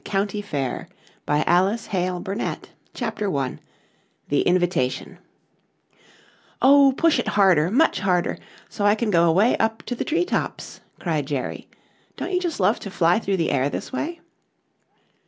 ] A DAY AT THE COUNTY FAIR CHAPTER I THE INVITATION "Oh, push it harder, much harder, so I can go away up to the tree tops," cried Jerry. "Don't you just love to fly through the air this way?"